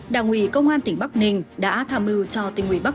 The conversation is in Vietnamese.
đảng ủy công an tỉnh bắc ninh đã tham mưu cho tỉnh ủy bắc